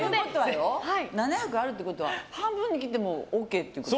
７００あるってことは半分に切ってもＯＫってこと？